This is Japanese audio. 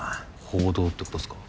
報道ってことっすか？